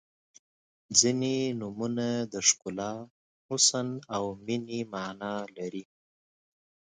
• ځینې نومونه د ښکلا، حسن او مینې معنا لري.